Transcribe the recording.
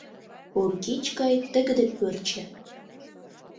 Ур кӱч гай тыгыде пырче.